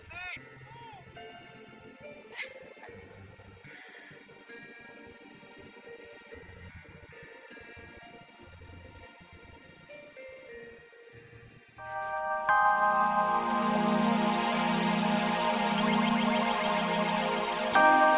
raih panjang ter essentiasi